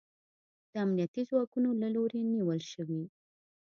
د امنیتي ځواکونو له لوري نیول شوی